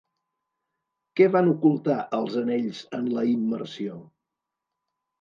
Què van ocultar els anells en la immersió?